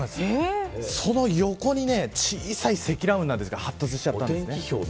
その横に小さい積乱雲が発達したんですね。